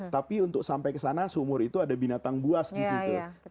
tapi untuk sampai kesana sumur itu ada binatang buas disitu